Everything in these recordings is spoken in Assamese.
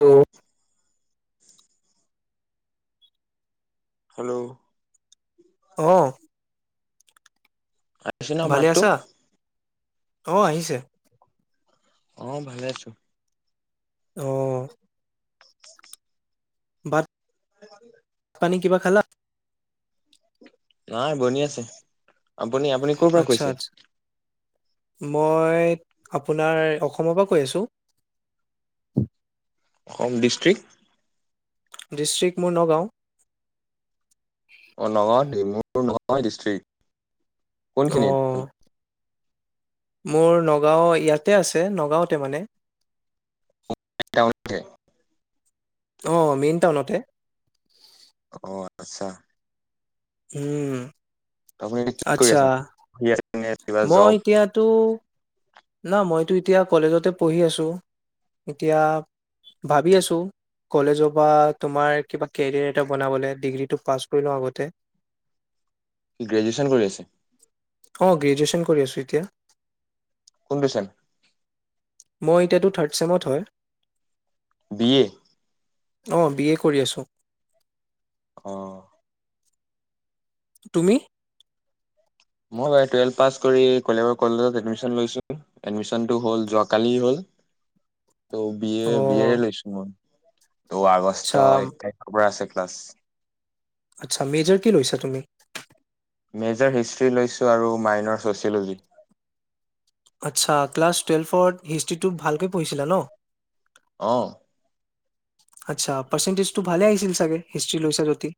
অ হেল্ল' আহ বছ ন মাতটো আছা? অ আহিছে অ ভালে আছো আহ বাৰ [unintelligible] পানী কিবা খালা নাই বনি আছে আপুনি আপুনি ক'ৰ পৰা আচ্ছা কৈছে আচ্ছা, মই আপোনাৰ অসমৰ পৰা কৈ আছো অসম ডিষ্টষ্ট্ৰিক্ ডিষ্ট্ৰিকট মোৰ নগাঁও অ ডিমু নহয় দৃষ্ট্ৰিক। কোন অ', খিনিত। মোৰ নগাঁও ইয়াতে আছে নগাঁওতে মানে। [inaudible] অ', মেইন টাউনতে। অ আচ্ছা উম'। আপনি এতিয়া কি কৰি আচ্ছা আছে? শুই আছে। নে কিবা মই জব এতিয়াটো না মইতো এতিয়া কলেজতে পঢ়ি আছো। এতিয়া ভাবি আছো কলেজৰ পৰা তোমাৰ কিবা কেৰিয়াৰ এটা বনাবলৈ ডিগ্ৰীটো পাছ কৰি লওঁ আগতে। কি গ্ৰেজোৱেচন কৰি আছে? অ', গ্ৰেজোৱেচন কৰি আছো এতিয়া। কোন দিচন মই এতিয়াটো থাৰ্ড ছেমত হয়। B A? অ', বি এ কৰি আছো। অ', তুমি? মই বাৰু টুৱেল্ভ পাছ কৰি কলিয়াবৰ কলেজত এডমিশ্যন লৈছোঁ। এডমিশ্যনটো হ'ল যোৱাকালি হ'ল। ত' B uh A, B A লৈছো মই। অ', আগষ্ট আচ্ছা এক তাৰিখৰ পৰা আছে। প্লাছ। আচ্ছা! মেজৰ কি লৈছা তুমি? মেজৰ হিষ্ট্ৰি লৈছোঁ আৰু মাইনৰ ছচিয়'লজি আচ্ছা ক্লাছ টুৱেল্ভত হিষ্ট্ৰিটো ভালকৈ পঢ়িছিলা ন'। অ', আচ্ছা, পাৰ্চেনটেজটো ভালে আহিছিল চাগে হিষ্ট্ৰি লৈছা যদি?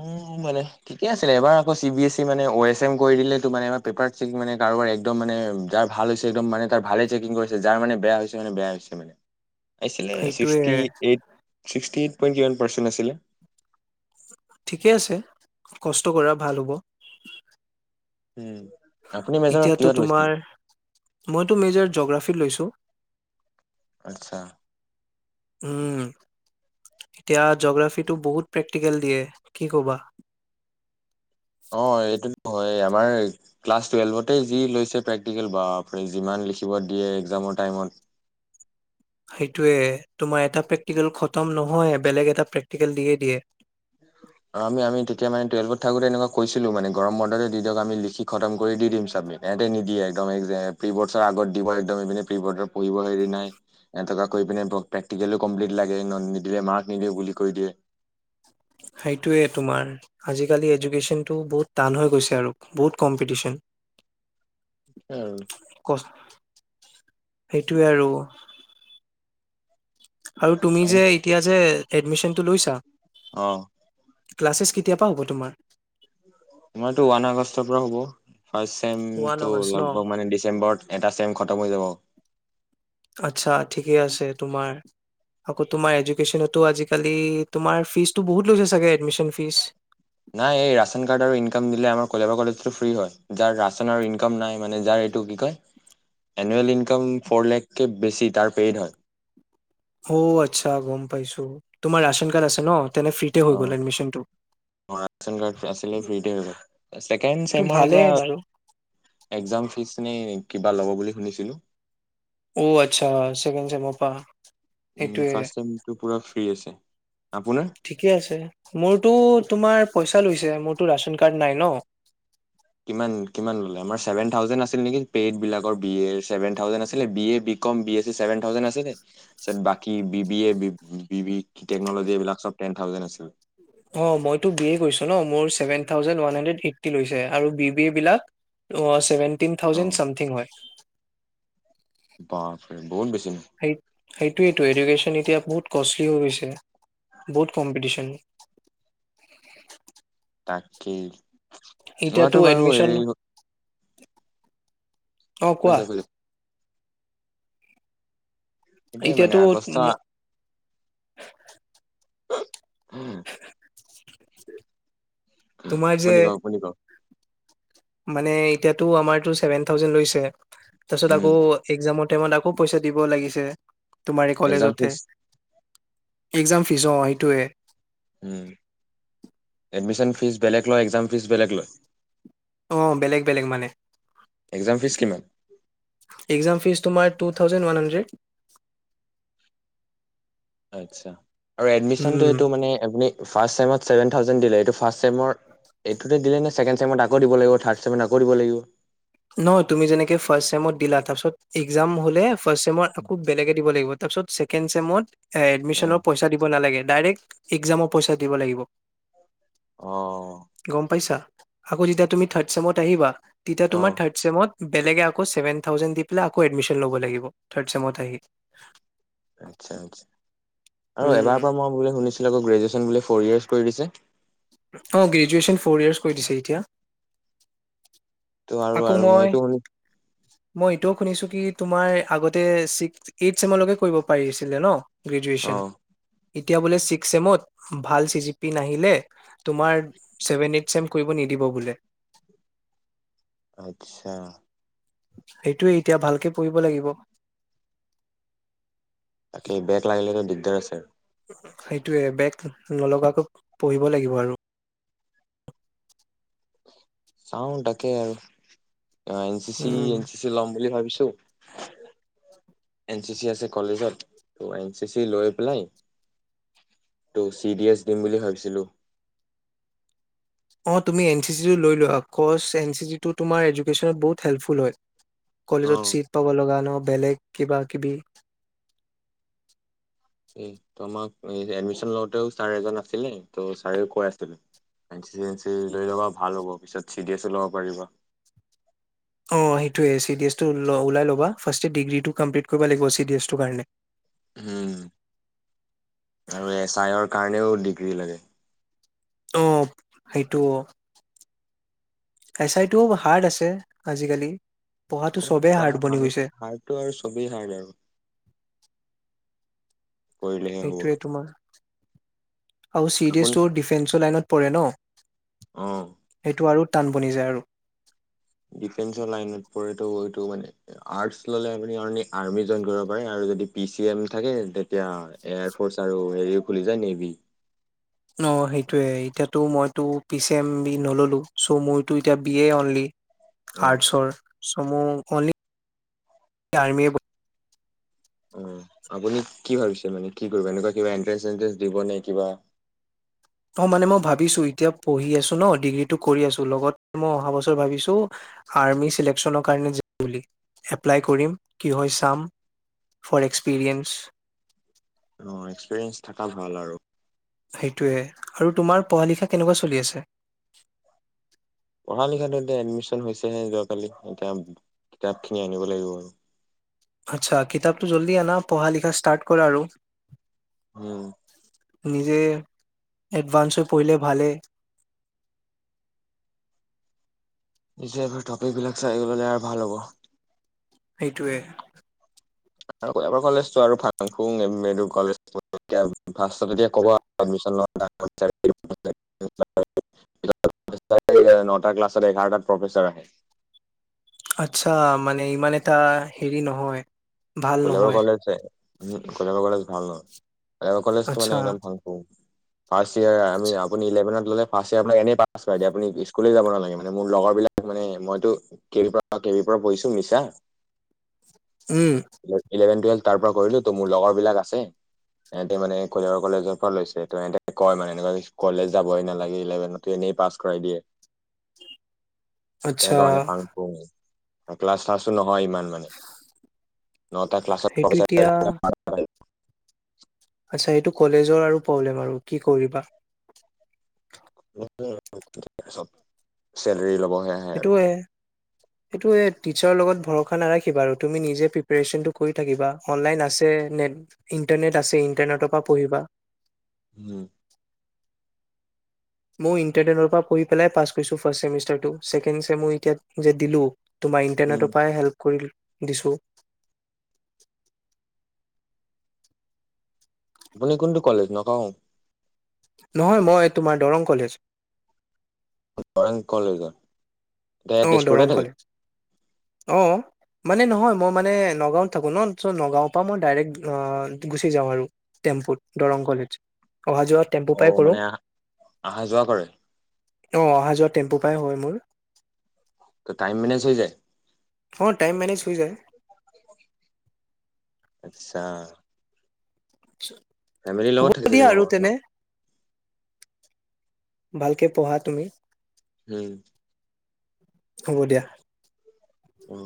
অ', মানে ঠিকে আছিলে এবাৰ আকৌ চি বি এছ ই মানে অ এছ এম কৰি দিলে মানে। এবাৰ পেপাৰ চেকিং মানে কাৰোবাৰ একদম মানে যাৰ ভাল হৈছে একদম মানে তাৰ ভালেই চেকিং কৰিছে। যাৰ মানে বেয়া হৈছে মানে বেয়া হৈছে মানে। আহিছিলে সেইটোৱে ছিক্সটি এইট, ছিক্সটি এইট। কিমান পাৰ্চেণ্ট আছিলে? ঠিকেই আছে কষ্ট কৰা ভাল হ'ব। উম আপুনি মেজৰ এতিয়াতো কিহত লৈছিলে তোমাৰ মইতো মেজৰ জগ্ৰাফীত লৈছোঁ। আচ্ছা। উম, এতিয়া জগ্ৰাফীটো বহুত প্ৰেক্টিকেল দিয়ে কি ক'বা? অ', এই [inaudible] হয় আমাৰ ক্লাছ টুৱেল্ভতে যি লৈছে প্ৰেক্টিকেল বাপৰে যিমান লিখিব দিয়ে এক্সামৰ টাইমত। সেইটোয়ে তোমাৰ এটা প্ৰেক্টিকেল খতম নহ? নহয় বেলেগ এটা প্ৰেক্টিকেল দিয়েই দিয়ে। আৰু আমি আমি তেতিয়া মানে টুৱেলভত থাকোতে এনেকুৱা কৈছিলোঁ মানে গৰম বন্ধ যে দি দিয়ক, আমি লিখি খতম কৰি দি দিম চাবমিট। সেহেঁতে নিদিয়ে [unintelligible] প্ৰি ব'ৰ্ডছৰ আগত দিব একদম ইপিনে প্ৰি ব'ৰ্ডত পঢ়িব হেৰি নাই, [unintelligible] কৰিপিনে প্ৰ-প্ৰেক্টিকেলো কম্প্লিত লাগে ন-নিদিলে মাৰ্ক নিদিওঁ বুলি কৈ দিয়ে। সেইটোৱেই তোমাৰ আজিকালি এজোকেশ্যনটো বহুত টান হৈ গৈছে আৰু বহুত কম্পিটিশন। সে আৰু। সেইটোৱে আৰু। আৰু তুমি যে এতিয়া যে এডমিশনতটো লৈছা? অ'। ক্লাছেছ কেতিয়াপা হ'ব তোমাৰ? আমাৰতো ওৱান আগষ্টৰ পৰা হ'ব। ফাৰ্ষ্ট ওৱান চেমটো আগষ্ট ন লগভগ মানে ডিচেম্বৰত এটা চেম খতম হৈ যাব। আচ্ছা ঠিকে আছে, তোমাৰ। আকৌ তোমাৰ এজোকেশ্যনতো আজিকালি তোমাৰ ফীছতটো বহুত লৈছে চাগে এডমিশন ফিছ? নাই এই ৰাচন কাৰ্ড আৰু ইনকাম দিলে আমাৰ কলেবাৰ কলেজটো ফ্ৰী হয়। যাৰ ৰাচন আৰু ইনকাম নাই মানে যাৰ এইটো কি কয়? এনুৱেল ইনকাম ফ'ৰ লেখকে বেছি তাৰ পেইড হয়। অ, আচ্ছা গম পাইছোঁ, তোমাৰ ৰাচন কাৰ্ড আছে ন'? তেনে ফ্ৰীতে হৈ অ', গ'ল এডমিশনটো অ', ৰাচন কাৰ্ড আছিলে ফ্ৰীতে গ'ল। চেকেণ্ড টো চেমৰ পৰা ভালেই বাৰু এক্সাম ফিছ মানে কিবা ল'ব বুলি শুনিছিলোঁ? অ', আচ্ছা চেকেণ্ড চেমৰ পৰা। উম, সেইটোয়ে ফাৰ্ষ্ট চেমটো পুৰা ফ্ৰী আছে। আপোনাৰ? ঠিকে আছে। মোৰতো তোমাৰ পইচ [unintelligible] লৈছে মোৰতো ৰাচন কাৰ্ড নাই ন'। কিমান কিমান ল'লে আমাৰ ছেভেন থাউজেণ্ড আছিল নেকি? পেইড বিলাগৰ বি এৰ ছেভেন থাউজেণ্ড আছিলে। B A, B com, B S চিৰ ছেভেন থাউজেণ্ড আছিলে তাৰপিছত বাকী B B A, B B কিটেকনলজী এইবিলাক টেন থাউজেণ্ড আছিল। অ', মইতো বি এ কৰিছোঁ ন' মোৰ seven thousand one hundred eighty লৈছে আৰু বি বি এবিলাক অ, seven [unintelligible] tin uh thousand something হয়। বাপৰে। বহুত বেছি। সেই সেইটোৱেইটো এডুকেশ্যন এতিয়া বহুত কষ্টলি হৈ গৈছে, বহুত কম্পিটিচন। তাকেই। এতিয়াটো মোৰটো বাৰু এডমিছন হেৰি অ', হৈ কোৱা? যাব সেইটোৱে মানে এতিয়াতো [inaudible] আগষ্ট উম, তোমাৰ যে [unintelligible] মানে এতিয়াতো আমাৰতো ছেভেন থাউজেণ্ড লৈছে তাৰ পাছত উম আকৌ এক্সামত টাইমত আকৌ পইচা দিব লাগিছে। তোমাৰে একজাম কলেজতে। ফিজ এক্সাম ফিজ অ', সেইটোৱে। উম, এডমিশন ফিজ বেলেগ লয়, এক্সাম ফিজ বেলেগ লয়। অ', বেলেগ বেলেগ মানে। এক্সাম ফিজ কিমান? একজাম ফিজ তোমাৰ টু থাউজেণ্ড ওৱান হাড্ৰেড। আত্ছা। আৰু এডমিশনটো এইটো মানে আপনি ফাষ্ট চেমত ছেভেন থাউজেণ্ড দিলে এইটো ফাছ চেমত, এইটোতে দিলে নে ছেকেণ্ড চেমত আকৌ দিব লাগিব, থাৰ্ড চেমত আকৌ দিব লাগিব। নহয় তুমি যেনেকে ফাষ্ট চেমত দিলা, তাৰপিছত একজাম হ'লে ফাষ্ট চেমত আকৌ বেলেগে দিব লাগিব। তাৰপিছত ছেকেণ্ড চেমত এ, অ', এডমিশনৰ পইচা দিব নালাগে। ডাইৰেক্ট, একজামৰ পইচা দিব লাগিব। অ'। গম পাইছা আকৌ যেতিয়া তুমি থাৰ্ড চেমত আহিবা তেতিয়া তোমাক অ' টাইমত বেলেগে আকৌ ছেভেন থাউজেণ্ড দি পেলাই আকৌ এডমিশ্যন ল'ব লাগিব, থাৰ্ড চেমত আহি। আচ্ছা আচ্ছা আৰু উম এবাৰ পৰা মই বুলি শুনিছোঁ [unintelligible] গ্ৰেজুৱেচন বোলে ফ'ৰ ইয়াৰ্চ কৰি দিছে? অ', গ্ৰেজুৱেশ্যন ফ'ৰ ইয়াৰ্চ কৰি দিছে এতিয়া। ত' আৰু আকৌ আৰু মই এইটো শুনি মই, এইটোও শুনিছোঁ কি তোমাৰ আগতে ছিক্স, এইথ চেমৰলৈকে কৰিব পাৰি আছিলে ন'? গ্ৰেজুৱেচন? অ', এতিয়া বোলে ছিক্স চেমত ভাল চি জি পি নাহিলে, তোমাৰ ছেভেন এইথ চেম কৰিব নিদিব বোলে। আচ্ছা। সেইটোয়ে এতিয়া ভালকে পঢ়িব লাগিব। তাকেই বেক লাগিলেটো দিগ দাৰ আছে [inaudible] সেইটোয়ে বেক নলগাকৈ পঢ়িব লাগিব আৰু। চাওঁ তাকেই আৰু। অ, N C C um N C C ল'ম বুলি ভাবিছোঁ। এন চি চি আছে কলেজত ত' এন চি চি লৈ পেলাই, ত' চি ডি এছ দিম বুলি ভাবিছিলোঁ। অ', তুমি এন চি চিটো লৈ লোৱা আফকৰ্চ এন চি চিটো, তোমাৰ এডুকেশ্যনত বহুত হেল্পফুল হয়। অ কলেজত চীট পাব লগা [inaudible] অ', বেলেগ কিবা কিবি। এইটো আমাক নি এডমিশ্যন লওঁতেওঁ ছাৰ এজন আছিলে, ত' ছাৰে কৈ আছিলে। N C C N C C লৈ ল'বা ভাল হ'ব পিছত, চি ডি এছো ল'ব পাৰিবা। অ', সেইটোৱে চি ডি এছটো ল ওলাই ল'বা। ফাৰ্ষ্টে ডিগ্ৰীটো কমপ্লিট কৰিব লাগিব চি ডি এছটোৰ কাৰণে। হম। আৰু এছ আইৰ কাৰণেও ডিগ্ৰী লাগে অ সেইটো এছ আইটো হাৰ্ড আছে আজিকালি পঢ়াটো অ চবেই ক হাৰ্ড হ বনি গৈছে হাৰটো আৰু চবেই হড আৰু কৰিলেহে হ'ব সেইটোৱে তোমাৰ আৰু চিৰিয়ছ আপুনি টো ডিফেন্সৰ লাইনত পৰে ন অ সেইটো আৰু টান বনি যায় আৰু ডিফেন্সৰ লাইনত পতো এইটো মানে আৰ্টচ ল'লে আপুনিনি আৰ্মি জইন কৰিব পাৰে আৰু যদি পি চি এম থাকে তেতিয়া এয়াৰফ'ৰ্চ আৰু হেৰিও খুলি যায় নেভি অ সেইটোয়ে এতিয়াতো মইতো পি চি এম বি নললো চ' মইো এতিয়া বি এ অনলি অ আছৰ চমু অ আৰ্মি অ আপুনি কি ভাবিছে মানে কি কৰিব এনেকুৱা কিবা এনট্ৰেঞ্চ চনটে দিব নে কিবা অ মানে মই ভাবিছো এতিয়া পঢ়ি আছো ন ডিগ্ৰীটো কৰি আছো লগতে মই অহা বছৰ ভাবিছো আৰ্মি চিলেক্যনৰ কাৰণ এপ্লাই কৰিম কি হয় চাম ফৰ এক্সপিৰিয়েঞ্চ অ এক্সপেৰিয়েন্ঞ্চ থাককা ভাল আৰু সেইটোৱে আৰু তোমাৰ পঢ়া লিখা কেনেকুৱা চলি আছে পঢ়া লিখা এতিয়া এডমিশন হৈছেহে যোৱাকালি এতিয়া কিতাপ খিনি আনিব লাগিব আৰু আচ্ছা কিতাপতটো জল্দি আনা পঢ়া লিখা ষ্টাৰ্ট কৰা আৰু উম নিজে এডভানস হৈ পঢ়লে ভালে নিজব টপিকবিলাক চাই এই ললে আৰু ভাল হ'ব সেইটোৱে মাৰ কলেজটো আৰু ফাং ফুং ক ফ্ষ কব নটা ক্লাছত এঘাৰটাত প্ৰফেচাৰ আহে আচ্ছা মানে ইমান এটা হেৰি নহয় ভাল খোলোবৰ নহয় কলেজ উ কলে ক ভাল আমাৰ কলেজটো আচ্ছা মানে একদম ভাং প ফাৰ্ষ্ট ইয়ি আপুভেনত ললে ফাৰ্ষ ইয়ৰ এনেই পাছ কৰা দে আপুনি স্কুলে যাব নালাগে মানে মোৰ লগৰ বিলাক মানে মইো কে পৰা কে পৰাঢিছো মছা উম ইলেভেন টুৱেলভ তাৰ পৰা কৰিলো ত' মোৰ লগৰ বিলাক আছে সহতে মানে কলৰ কলেজৰ পৰা লৈছে ত সহতে কয় মানে এনেকুৱা কলেজ যাবই নালাগে ইলেভেন এনেই পাছ কৰাই দিয়ে আচ্ছা তেনেক মানে পং পম ক্লাছ শ্লছ নহয় ইমান মানে নটা ক্লাছত সেইটো এতিয়া [inaudible] আচ্ছা সটো কলেজৰ আৰু প্ৰব্লেম আৰু কি কৰিবা উ চ হৰি ল'ব সোহে আৰু এইেইটো টিচাৰৰ লগত ভৰসা নাৰাখিবা আৰু তুমি নিজে প্ৰিপেৰেচনটো কৰি থাকিবা অনলাইন আছে নেট ইণ্টাৰনেট আছে ইণ্টাৰনেটৰ পৰা পঢ়িবা হম। মই ইণ্টাৰনেটৰ পৰা পঢ়ি পেলাই পাছ কৰিছোঁ ফাৰ্ষ্ট চেমিষ্টাৰটো। ছেকেণ্ড চেমওঁ এতিয়া যে দিলোঁ তোমাৰ উম ইণ্টাৰনেটৰ পৰা হেল্প কৰিল। দিছোঁ। আপুনি কোনটো কলেজ, নগাওঁ? নহয় মই তোমাৰ দৰং কলেজ। [inaudible] কলেজত ছ, এতিয়া তেজপুৰতে দৰং থাকে কলেজ, অহ। মানে নহয় মই মানে নগাঁৱত থাকো ন' চ' নগাঁওৰ পৰা মই ডাইৰেক্ট অ, গুচি যাওঁ আৰু টেম্পুত দৰং কলেজ। অহা যোৱা টেম্পু পাই অ', কৰোঁ মানে আ আহা যোৱা কৰে? অ', আহা যোৱা টেম্পুৰ পৰাই হয় মোৰ। টাইম মেনেজ হৈ যায়? অ', টাইম মেনেজ হৈ যায়। আচ্ছা। আচ্ছা। ফেমিলিৰ লগত থাকিছে [unintelligible] ভালকে পঢ়া তুমি। হম। হ'ব দিয়া। উম।